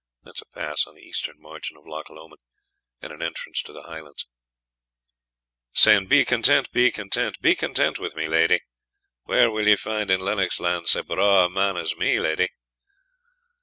A pass on the eastern margin of Loch Lomond, and an entrance to the Highlands. Saying, Be content, be content, Be content with me, lady; Where will ye find in Lennox land, Sae braw a man as me, lady?